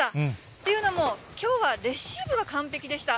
というのも、きょうはレシーブは完璧でした。